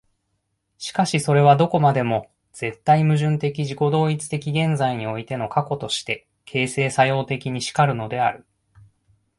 しかしそれはどこまでも絶対矛盾的自己同一的現在においての過去として、形成作用的に然るのである。